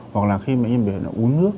hoặc là khi bệnh nhân bị lệch là uống nước